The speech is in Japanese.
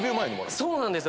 そうなんですよ。